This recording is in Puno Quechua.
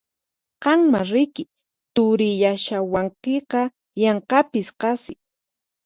Qanmá riki turiyashawankiqa yanqapis qasi!